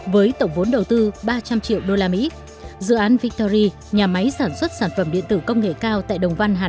với tổng vốn đầu tư một ba trăm tám mươi sáu tỷ usd